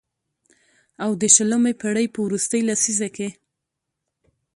او د شلمې پېړۍ په وروستۍ لسيزه کې